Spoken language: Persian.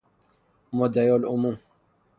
مدعیالعموم